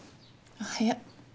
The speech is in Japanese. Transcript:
おはよう。